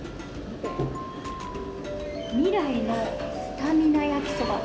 みらいのスタミナ焼きそば。